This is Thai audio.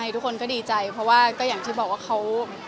ทุกคนก็ดีใจเพราะว่าก็อย่างที่บอกว่าเขา